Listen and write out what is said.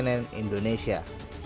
tim liputan cnn indonesia